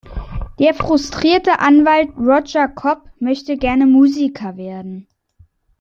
Der frustrierte Anwalt Roger Cobb möchte gerne Musiker werden.